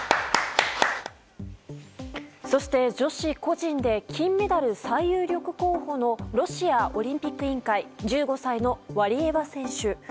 そして、女子個人で金メダル最有力候補のロシアオリンピック委員会１５歳のワリエワ選手。